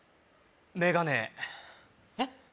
メガネえっ？